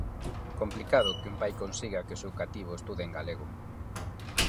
Complicado que un pai consiga que o seu cativo estude en galego.